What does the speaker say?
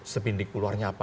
sprinting keluarnya apa